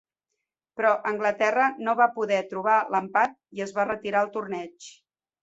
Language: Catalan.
Però Anglaterra no va poder trobar l'empat i es va retirar el torneig.